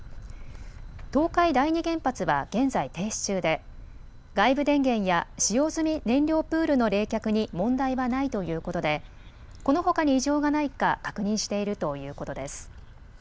東海第二原発は現在、停止中で外部電源や使用済み燃料プールの冷却に問題はないということでこのほかに異常がないか確認しているということです。